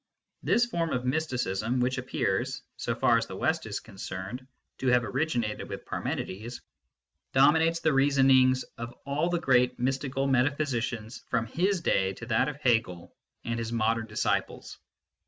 This form of mysticism, which appears, so far as the West is con cerned, to have originated with Parmenides, dominates the reasonings of all the great mystical metaphysicians from his day to that of Hegel and his modern disciples.